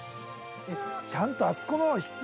「ちゃんとあそこの」